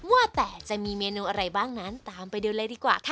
ว่าแต่จะมีเมนูอะไรบ้างนั้นตามไปดูเลยดีกว่าค่ะ